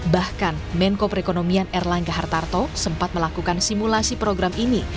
bahkan menko perekonomian erlangga hartarto sempat melakukan simulasi program ini